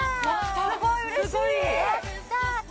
すごいうれしい。